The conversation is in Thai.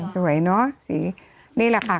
สวยเนอะสีนี่แหละค่ะ